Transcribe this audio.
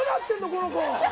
この子！